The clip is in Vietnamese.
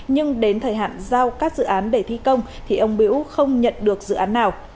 nhưng đến thời hạn giao các dự án để thi công thì ông bễu không nhận được dự án nào